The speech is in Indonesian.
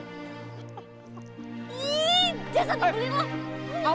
ih jas ada di beli lo